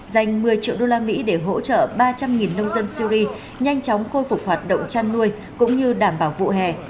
dành một mươi triệu usd để hỗ trợ ba trăm linh nông dân suri nhanh chóng khôi phục hoạt động chăn nuôi cũng như đảm bảo vụ hè